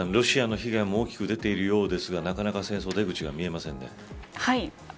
瑠麗さん、ロシアの被害も大きく出ているようですがなかなか戦争の出口が見えませんね。